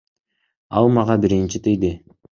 Ал мага биринчи тийди.